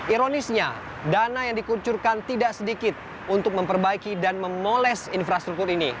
ironisnya dana yang dikucurkan tidak sedikit untuk memperbaiki dan memoles infrastruktur ini